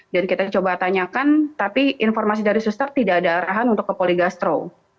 dan kita coba tanyakan tapi informasi dari suster tidak ada arahan untuk ke poligastro